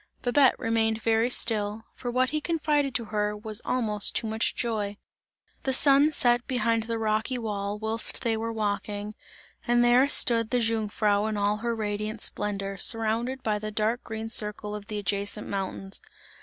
Babette remained very still, for what he confided to her was almost too much joy. The sun set behind the rocky wall, whilst they were walking, and there stood the Jungfrau in all her radiant splendour, surrounded by the dark green circle of the adjacent mountains.